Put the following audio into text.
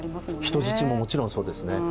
人質ももちろんそうですね。